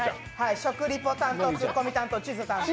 食リポ担当、ツッコミ担当、地図担当。